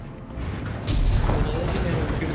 この大府店を含む